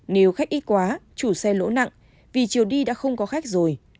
nếu khách ít quá chủ xe lỗ nặng vì chiều đi đã không có khách rồi